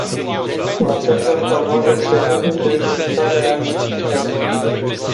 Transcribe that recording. Votez în favoarea cererii de ridicare a imunității.